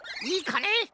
いいかね？